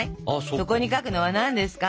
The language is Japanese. そこに書くのは何ですか？